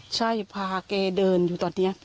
ใช่พาแกเดินอยู่ตอนนี้